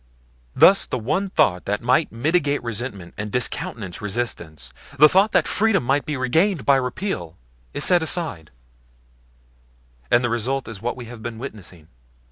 Thus the one thought that might mitigate resentment and discountenance resistance, the thought that freedom might be regained by repeal, is set aside; and the result is what we have been witnessing.